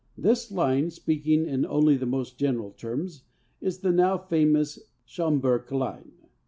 This line, speaking in only the most general terms, is the now famous Schomburgk line.